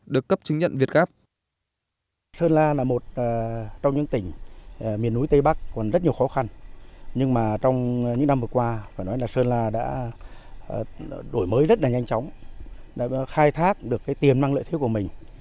được cấp chứng nhận việt nam